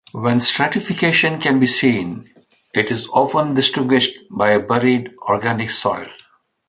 When stratification can be seen it is often distinguished by a buried organic soil.